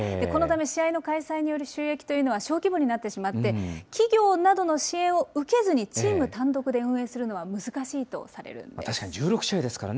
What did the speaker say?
このため試合の開催による収益というのは、小規模になってしまって、企業などの支援を受けずに、チーム単独で運営するのは難しいとされるんです。